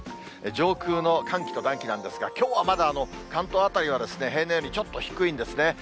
上空の寒気と暖気なんですが、きょうはまだ関東辺りは、平年よりちょっと低いんですね。